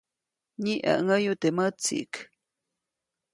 Mniʼäŋäyu teʼ mätsiʼk.